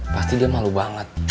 pasti dia malu banget